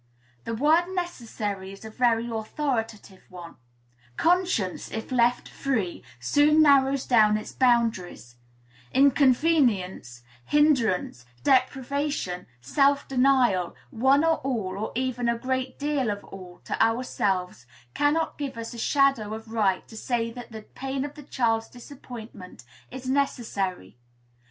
The word "necessary" is a very authoritative one; conscience, if left free, soon narrows down its boundaries; inconvenience, hindrance, deprivation, self denial, one or all, or even a great deal of all, to ourselves, cannot give us a shadow of right to say that the pain of the child's disappointment is "necessary."